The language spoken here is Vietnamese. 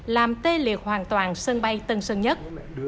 làm tê liệt hoàn toàn sân bay tân sơn nhất